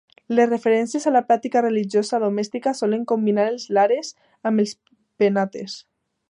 Les referències a la pràctica religiosa domèstica solen combinar els Lares amb els Penates.